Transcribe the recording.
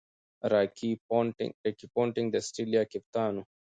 راكي پونټنګ د اسټرالیا کپتان وو.